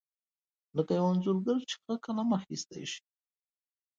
لکه یو انځورګر چې ښه فلم اخیستی شي.